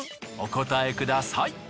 お答えください。